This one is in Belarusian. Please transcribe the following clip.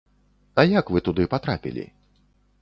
А як вы туды патрапілі?